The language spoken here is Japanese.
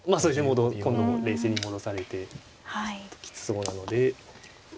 今度も冷静に戻されてちょっときつそうなので。